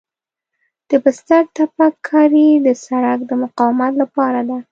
د بستر تپک کاري د سرک د مقاومت لپاره ده